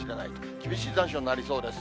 厳しい残暑になりそうです。